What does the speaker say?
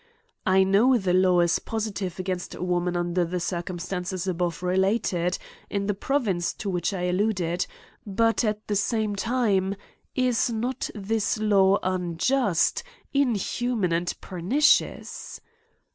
I know the law is positive against a woman under the circumstances, above relat ed; in the province to which I alluded; but at the same time is not this law unjii'^t, mhuman, and pernicious?